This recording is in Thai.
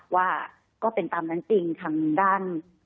ว่าก็เป็นตามนั้นจริงทางด้าน